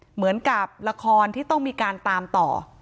เหมือนกับละครที่ต้องมีการตามต่อ